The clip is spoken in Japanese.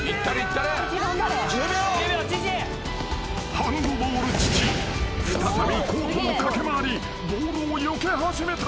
［ハンドボール父再びコートを駆け回りボールをよけ始めた］